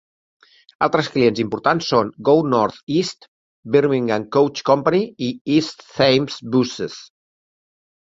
Altres clients importants són: Go North East, Birmingham Coach Company i East Thames Buses.